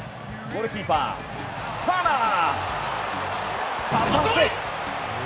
ゴールキーパー、ターナー。